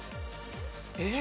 えっ？